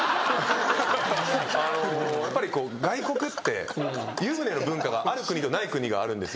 やっぱり外国って湯船の文化がある国とない国があるんですよ。